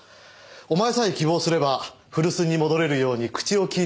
お前さえ希望すれば古巣に戻れるように口を利いてやってもいい。